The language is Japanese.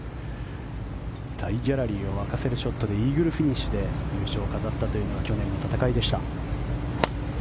大ギャラリーを沸かせるショットでイーグルフィニッシュで優勝した去年の戦いでした。